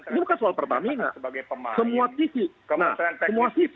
itu bukan soal pertamina semua sisi nah semua sisi